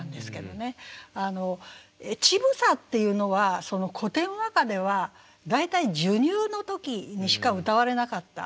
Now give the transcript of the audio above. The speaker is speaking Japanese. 乳房っていうのは古典和歌では大体授乳の時にしか歌われなかった。